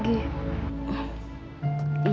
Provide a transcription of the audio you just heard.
ibu guru lagi